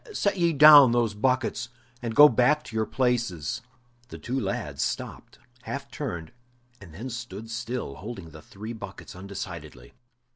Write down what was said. Set ye down those buckets, and go back to your places!" The two lads stopped, half turned, and then stood still, holding the three buckets undecidedly.